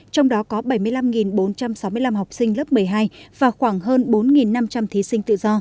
trong đó có bảy mươi năm bốn trăm sáu mươi năm học sinh lớp một mươi hai và khoảng hơn bốn năm trăm linh thí sinh tự do